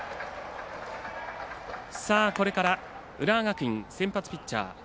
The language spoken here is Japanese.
これから浦和学院先発ピッチャー